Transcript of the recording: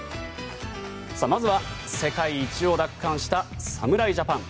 まずは、世界一を奪還した侍ジャパン。